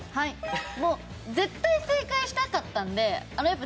もう絶対正解したかったのでやっぱ